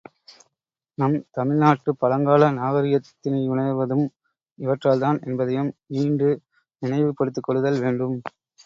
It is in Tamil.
நம் தமிழ்நாட்டுப் பழங்கால நாகரிகத்தினையுணர்வதும் இவற்றால் தான் என்பதையும் ஈண்டு நினைவுபடுத்திக்கொள்ளுதல் வேண்டும்.